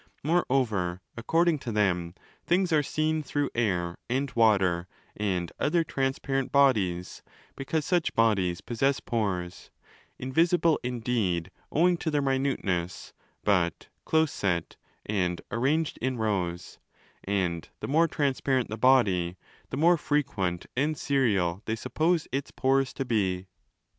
Moreover, according to them, things are seen through air 30 and water and other transparent bodies, because such bodies possess pores, invisible indeed owing to their minute ness, but close set and arranged in rows: and the more transparent the body, the more frequent and serial they suppose its porcs to be.